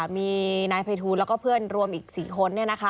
มีนายภัยทูลแล้วก็เพื่อนรวมอีก๔คน